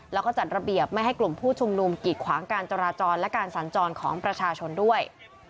แล้วก็จัดระเบียบไม่ให้กลุ่มผู้ชุมนุมกิดขวางการจราจรและการสัญจรของประชาชนด้วย